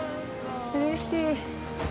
うれしい。